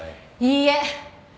いいえ。